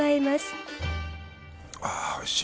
あおいしい。